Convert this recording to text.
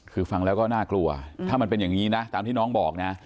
คือฟังแล้วก็น่ากลัวถ้ามันเป็นอย่างนี้นะตามที่น้องบอกนะ